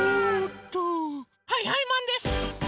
はいはいマンです！